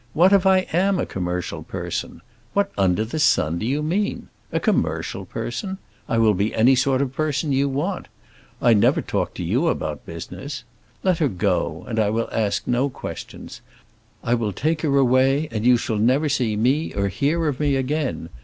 What if I am a commercial person? What under the sun do you mean? A commercial person? I will be any sort of a person you want. I never talked to you about business. Let her go, and I will ask no questions. I will take her away, and you shall never see me or hear of me again.